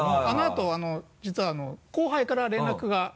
あのあと実は後輩から連絡が。